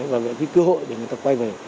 và cái cơ hội để người ta quay về